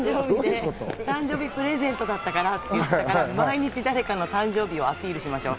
誕生日プレゼントだったからって言ってたから、みんな誕生日をアピールしましょう。